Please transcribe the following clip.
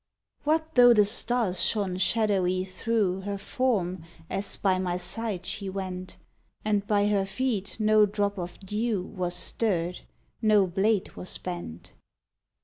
What though the stars shone shadowy through Her form as by my side she went, And by her feet no drop of dew Was stirred, no blade was bent!